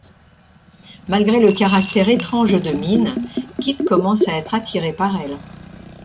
Malgré le caractère étrange de Min, Kit commence à être attiré par elle.